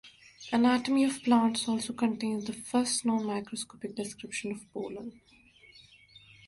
"Anatomy of Plants" also contains the first known microscopic description of pollen.